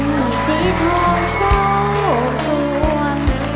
สีทองเศร้าส่วน